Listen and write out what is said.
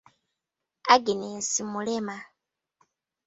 Agnes mulema.